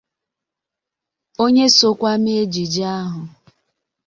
onye sokwa mee ejije ahụ